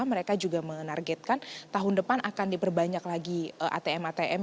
mereka juga menargetkan tahun depan akan diperbanyak lagi atm atm